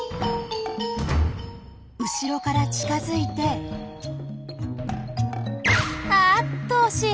後ろから近づいてあっと惜しい！